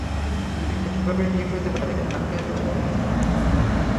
দুইটা কীভাবে ঠিক হতে পারে, আঙ্কেল?